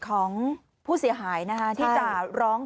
ของผู้เสียหายนะคะที่จะร้อง